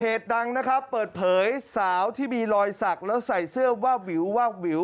ดังนะครับเปิดเผยสาวที่มีรอยสักแล้วใส่เสื้อวาบวิววาบวิว